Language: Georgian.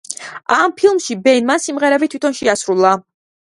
ამ ფილმში ბენმა სიმღერები თვითონ შეასრულა.